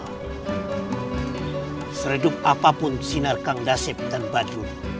tentu saja seredup apapun sinar kang dasip dan badrun